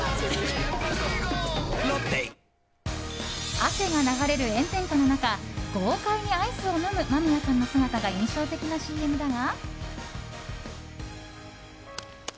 汗が流れる炎天下の中豪快にアイスを飲む間宮さんの姿が印象的なＣＭだが。